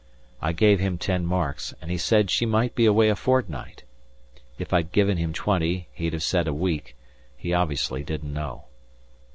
I gave him ten marks, and he said she might be away a fortnight. If I'd given him twenty he'd have said a week; he obviously didn't know.